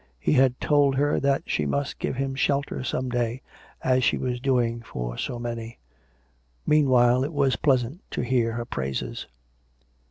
He had told her that she must give him shelter some day, as she was doing for so many. Meanwhile it was pleasant to hear her praises.